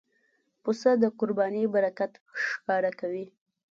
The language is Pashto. پسه د قربانۍ برکت ښکاره کوي.